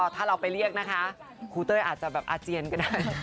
ถ้าเราไปเรียกนะคะครูเต้ยอาจจะแบบอาเจียนก็ได้